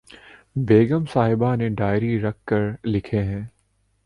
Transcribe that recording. بیگم صاحبہ نے ڈائری رکھ کر لکھے ہیں